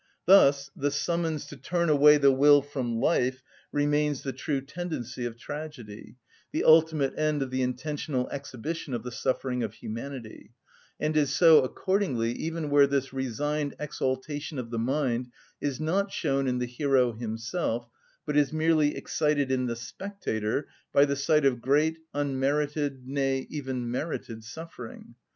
Thus the summons to turn away the will from life remains the true tendency of tragedy, the ultimate end of the intentional exhibition of the suffering of humanity, and is so accordingly even where this resigned exaltation of the mind is not shown in the hero himself, but is merely excited in the spectator by the sight of great, unmerited, nay, even merited suffering.